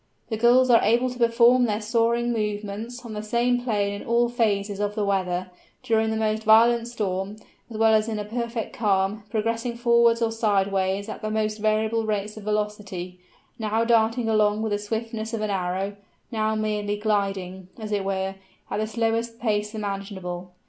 The Gulls are able to perform their soaring movements on the same plane in all phases of the weather, during the most violent storm, as well as in a perfect calm, progressing forwards or sideways at the most variable rates of velocity; now darting along with the swiftness of an arrow, now merely gliding, as it were, at the slowest pace imaginable.